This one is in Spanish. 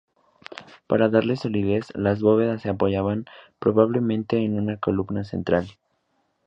Para darle solidez, las bóvedas se apoyaban probablemente en una columna central.